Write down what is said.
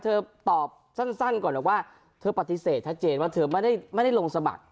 ตอบสั้นก่อนเลยว่าเธอปฏิเสธชัดเจนว่าเธอไม่ได้ลงสมัคร